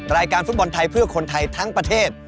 รายการฟุตบอลไทยเพื่อคนไทยทั้งประเทศ